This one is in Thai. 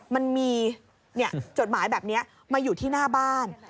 มันมีจดหมายแบบนี้มาอยู่ที่หน้าบ้าน